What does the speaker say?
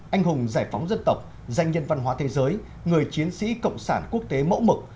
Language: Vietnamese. anh hùng giải phóng dân tộc danh nhân văn hóa thế giới người chiến sĩ cộng sản quốc tế mẫu mực